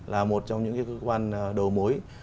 là một trong những cái cơ quan đầu mối